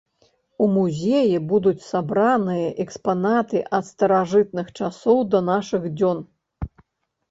У музеі будуць сабраныя экспанаты ад старажытных часоў да нашых дзён.